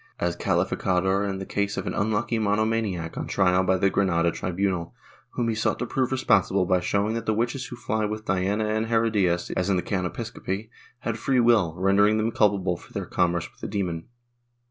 as calificador in the case of an unlucky mono maniac on trial by the Granada tribunal, whom he sought to prove responsible by showing that the witches who fly v/ith Diana and Herodias, as in the can. Episcopi, had free will, rendering them culpable for their commerce with the demon."